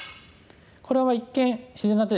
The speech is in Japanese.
これは一見自然な手ですね。